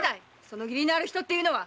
その義理のある人っていうのは！